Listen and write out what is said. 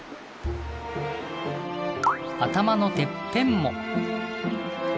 頭のてっぺんも。